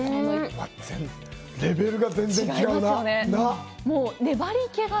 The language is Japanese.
レベルが全然違うな。な？